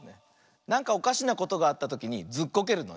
なんかおかしなことがあったときにずっこけるのね。